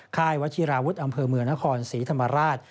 ค่ายวัชิราวุฒิอำเภอเมืองนครศรีธรรมราช